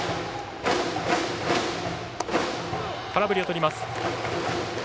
空振りをとります。